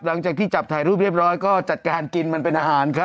หลังจากที่จับถ่ายรูปเรียบร้อยก็จัดการกินมันเป็นอาหารครับ